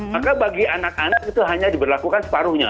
maka bagi anak anak itu hanya diberlakukan separuhnya